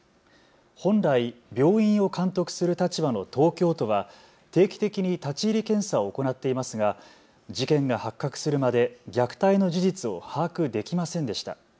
本来、病院を監督する立場の東京都は定期的に立ち入り検査を行っていますが事件が発覚するまで虐待の事実を把握できませんでした。